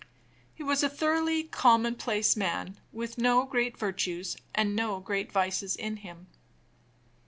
He was a thoroughly commonplace man, with no great virtues and no great vices in him.